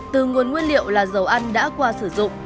từ nguồn nguyên liệu là dầu ăn đã qua sử dụng